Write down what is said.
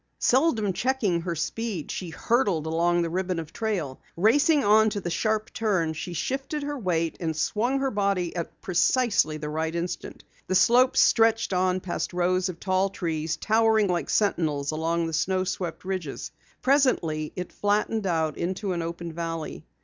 Seldom checking her speed, she hurtled along the ribbon of trail. Racing on to the sharp turn, she shifted her weight and swung her body at precisely the right instant. The slope stretched on past rows of tall trees, towering like sentinels along the snow swept ridges. Presently it flattened out into an open valley.